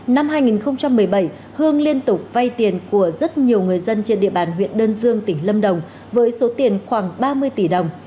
năm hai nghìn một mươi bảy hương liên tục vay tiền của rất nhiều người dân trên địa bàn huyện đơn dương tỉnh lâm đồng với số tiền khoảng ba mươi tỷ đồng